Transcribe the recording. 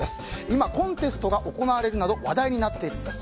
今、コンテストが行われるなど話題になっているんです。